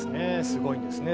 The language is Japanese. すごいんですね。